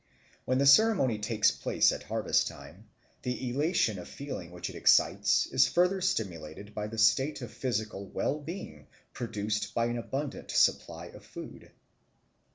When the ceremony takes place at harvest time, the elation of feeling which it excites is further stimulated by the state of physical wellbeing produced by an abundant supply of food.